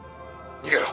逃げろ！